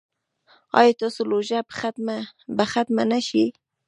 ایا ستاسو لوږه به ختمه نه شي؟